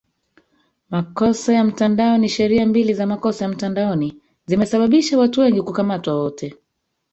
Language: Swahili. makosa ya mtandaoniSheria mbili za makosa ya mtandaoni zimesababisha watu wengi kukamatwa Wote